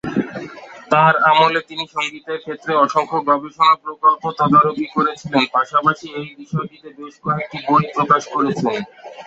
তাঁর আমলে তিনি সংগীতের ক্ষেত্রে অসংখ্য গবেষণা প্রকল্প তদারকি করেছিলেন, পাশাপাশি এই বিষয়টিতে বেশ কয়েকটি বই প্রকাশ করেছেন।